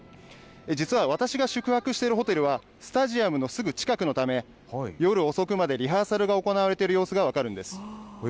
実は、私が宿泊しているホテルは、スタジアムのすぐ近くのため、夜遅くまでリハーサルが行われている様子が分かるんです。